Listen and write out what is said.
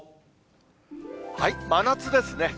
真夏ですね。